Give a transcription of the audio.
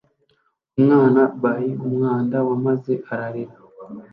Umwana by umwanda wamazi ararira